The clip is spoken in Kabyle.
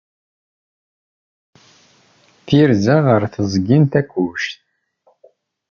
Tirza ɣer teẓgi n Takkuct.